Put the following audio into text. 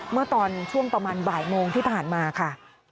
เมื่อตอนช่วงประมาณบ่ายโมงที่ผ่านมาค่ะ